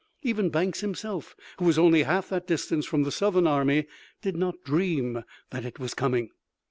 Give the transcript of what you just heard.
Even Banks himself, who was only half that distance from the Southern army, did not dream that it was coming.